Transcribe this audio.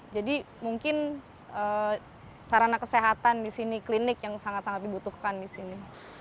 jadi mungkin sarana kesehatan di sini klinik yang sangat sangat dibutuhkan di sini